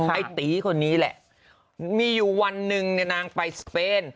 ไอ้ตีคนนี้แหละมีอยู่วันหนึ่งเนี่ยนางไปสเปน